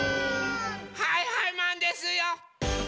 はいはいマンですよ！